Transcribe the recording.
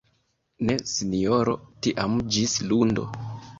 Ne Sinjoro tiam ĝis lundo!